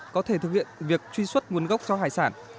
có thể thực hiện việc truy xuất nguồn gốc cho hải sản